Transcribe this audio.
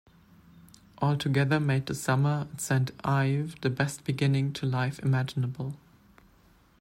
All together made the summer at Saint Ives the best beginning to life imaginable.